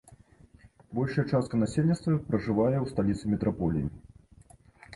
Большая частка насельніцтва пражывае ў сталіцы метраполіі.